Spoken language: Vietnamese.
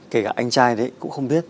kể cả anh trai đấy cũng không biết